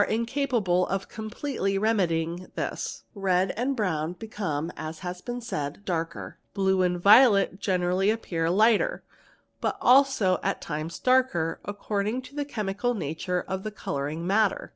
een of completely remedying this): red and brown become as s been said, darker, blue and violet generally appear lighter but also at "times darker, according to the chemical nature of the colouring matter.